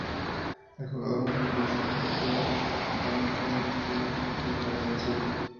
El jugador más valioso fue Dong-yol Sun de Corea del Sur.